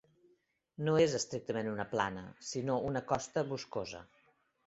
No és estrictament una plana, sinó una costa boscosa.